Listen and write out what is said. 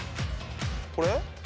これ？